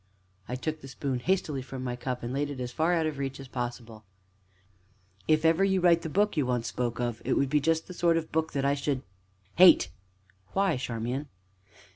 I took the spoon hastily from my cup, and laid it as far out of reach as possible. "If ever you should write the book you once spoke of, it would be just the very sort of book that I should hate." "Why, Charmian?"